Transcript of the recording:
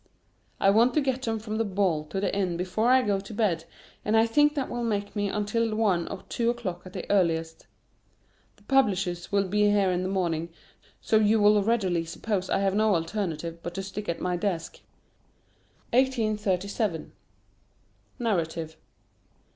I want to get them from the ball to the inn before I go to bed; and I think that will take me until one or two o'clock at the earliest. The publishers will be here in the morning, so you will readily suppose I have no alternative but to stick at my desk. 1837. NARRATIVE.